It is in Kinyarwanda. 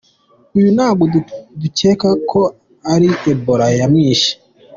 Uyu ntabwo dukeka ko ari ebola yamwishe.